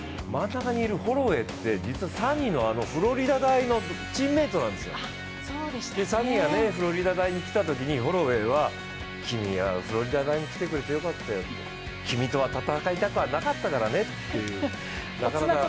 真ん中にいるホロウェイって、実はサニのフロリダ大のチームメートなんですよ、サニがフロリダ大に来たときに、ホロウェイが君がフロリダ大に来てくれたよかったよと君とは戦いたくなかったからねと。